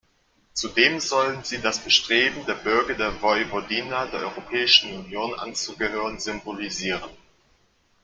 Zudem sollen sie das Bestreben der Bürger der Vojvodina der Europäischen Union anzugehören symbolisieren.